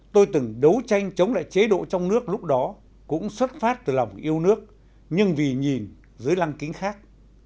tôi từng đấu tranh chống lại chế độ trong nước lúc đó cũng xuất phát từ lòng yêu nước nhưng vì nhìn dưới lăng kính khác